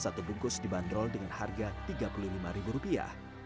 satu bungkus dibanderol dengan harga tiga puluh lima ribu rupiah